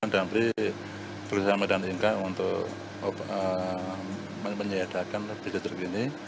dambri berusaha medan inka untuk menyediakan bisnis tersebut ini